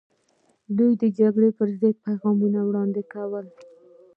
دوی د جګړې پر ضد پیغامونه وړاندې کول.